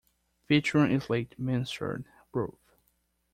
Featuring a slate mansard roof.